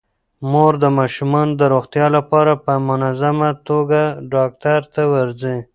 مور د ماشومانو د روغتیا لپاره په منظمه توګه ډاکټر ته ورځي.